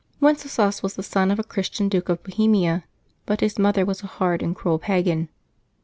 ^rtENCESLAs was the son of a Christian Duke of Bohemia, Vl/ but his mother was a hard and cruel pagan.